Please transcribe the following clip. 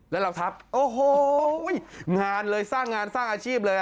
แล้วเราทักโอ้โหงานเลยสร้างงานสร้างอาชีพเลย